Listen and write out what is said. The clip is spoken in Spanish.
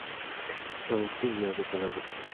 Su obispillo es de color ocre.